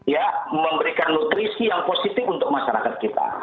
ya memberikan nutrisi yang positif untuk masyarakat kita